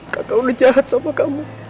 kakak udah jahat sama kamu